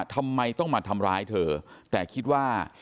ทำไมต้องมาทำร้ายเธอแต่คิดว่า